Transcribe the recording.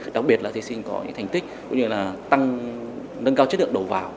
đặc biệt là thí sinh có những thành tích cũng như là tăng nâng cao chất lượng đầu vào